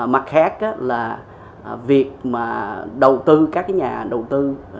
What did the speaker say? mặt khác là việc mà đầu tư các nhà đầu tư